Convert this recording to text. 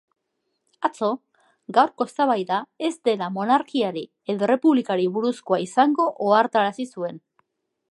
Atzo, gaurko eztabaida ez dela monarkiari edo errepublikari buruzkoa izango ohartarazi zuen.